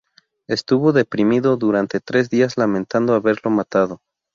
Estuvo deprimido durante tres días lamentando haberlo matado.